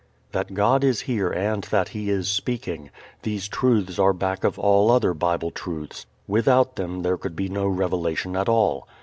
That God is here and that He is speaking these truths are back of all other Bible truths; without them there could be no revelation at all.